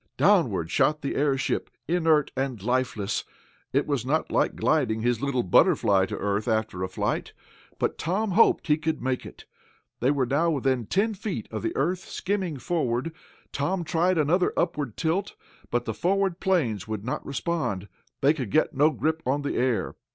Downward shot the airship, inert and lifeless. It was not like gliding his little BUTTERFLY to earth after a flight, but Tom hoped he could make it. They were now within ten feet of the earth, skimming forward. Tom tried another upward tilt, but the forward planes would not respond. They could get no grip on the air.